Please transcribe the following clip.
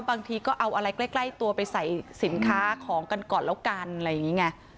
บางทีก็เอาอะไรใกล้ตัวไปใส่สินค้าของกันก่อนแล้วกันอะไรอย่างนี้ไง